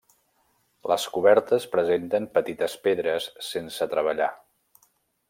Les cobertes presenten petites pedres sense treballar.